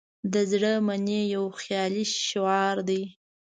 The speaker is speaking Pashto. "د زړه منئ" یو خیالي شعار دی.